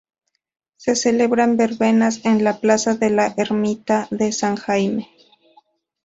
Se celebran verbenas en la plaza de la ermita de San Jaime.